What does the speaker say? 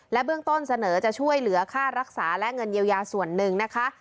เบื้องต้นเสนอจะช่วยเหลือค่ารักษาและเงินเยียวยาส่วนหนึ่งนะคะ